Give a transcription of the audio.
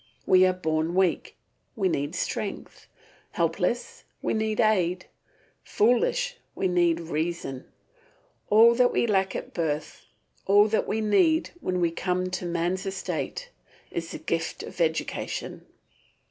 We are born weak, we need strength; helpless, we need aid; foolish, we need reason. All that we lack at birth, all that we need when we come to man's estate, is the gift of education.